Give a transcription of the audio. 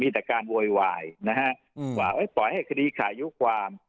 แต่การโวยวายนะฮะว่าปล่อยให้คดีขายุความ